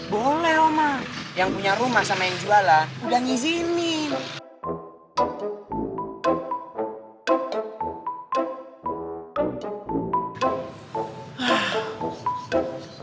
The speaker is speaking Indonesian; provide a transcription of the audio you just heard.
boleh oma yang punya rumah sama yang jualan udah ngizinin